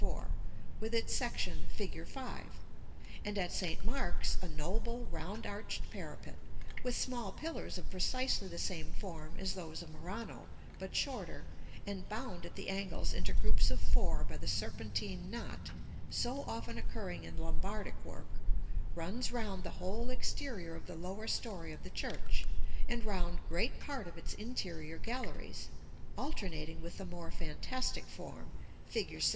4, with its section, fig. 5.; and at St. Mark's, a noble round arched parapet, with small pillars of precisely the same form as those of Murano, but shorter, and bound at the angles into groups of four by the serpentine knot so often occurring in Lombardic work, runs round the whole exterior of the lower story of the church, and round great part of its interior galleries, alternating with the more fantastic form, fig.